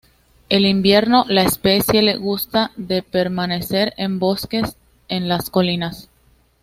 En invierno, la especie gusta de permanecer en bosques en las colinas.